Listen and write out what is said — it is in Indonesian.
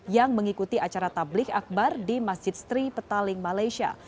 yang mengikuti acara tablik akbar di masjid sri petaling malaysia